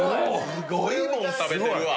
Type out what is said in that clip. すごいもん食べてるわ！